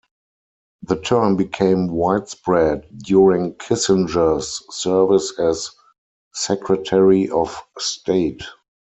The term became widespread during Kissinger's service as Secretary of State.